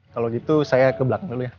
kalau gitu saya ke belakang dulu ya